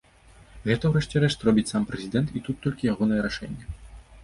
Гэта ў рэшце рэшт робіць сам прэзідэнт, і тут толькі ягонае рашэнне.